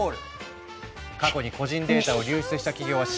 「過去に個人データを流出した企業は信用できない！